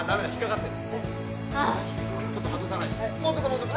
ちょっと外さないと。